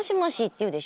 言うでしょ？